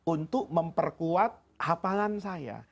untuk memperkuat hafalan saya